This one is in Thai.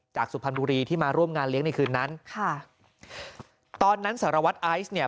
สุพรรณบุรีที่มาร่วมงานเลี้ยงในคืนนั้นค่ะตอนนั้นสารวัตรไอซ์เนี่ย